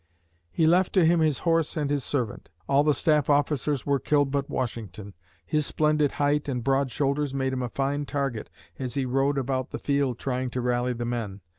He left to him his horse and his servant. All the staff officers were killed but Washington. His splendid height and broad shoulders made him a fine target, as he rode about the field trying to rally the men.